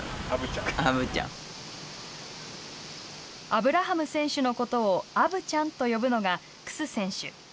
アブラハム選手のことをアブちゃんと呼ぶのが楠選手。